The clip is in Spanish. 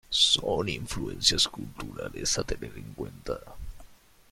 Son influencias culturales a tener en cuenta.